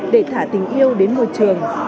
để thả tình yêu đến môi trường